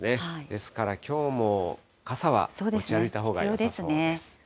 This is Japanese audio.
ですからきょうも、傘は持ち歩いたほうがよさそうです。